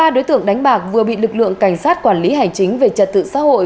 ba đối tượng đánh bạc vừa bị lực lượng cảnh sát quản lý hành chính về trật tự xã hội